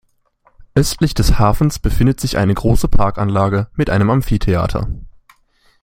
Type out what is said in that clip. Östlich des Hafens befindet sich eine große Parkanlage mit einem Amphitheater.